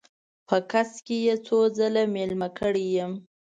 په کڅ کې یې څو ځله میلمه کړی یم.